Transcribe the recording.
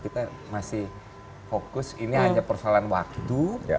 kita masih fokus ini hanya persoalan waktu